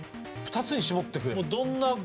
２つに絞ってくれんの？